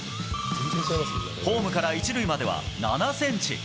ホームから１塁までは７センチ。